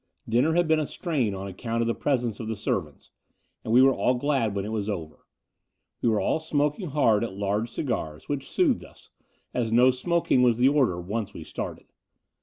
Dinner had been a strain on account of the presence of the servants; and we were all glad when it was over. We were all smoking hard at « large cigars, which soothed us, as no smoking was the order once we started.